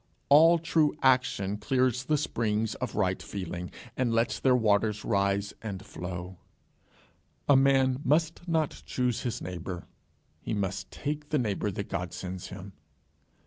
All true action clears the springs of right feeling, and lets their waters rise and flow. A man must not choose his neighbour; he must take the neighbour that God sends him.